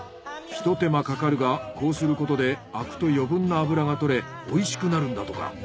ひと手間かかるがこうすることでアクと余分な脂が取れおいしくなるんだとか。